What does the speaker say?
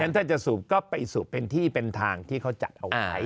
ถ้าจะสูบก็ไปสูบเป็นที่เป็นทางที่เขาจัดเอาไว้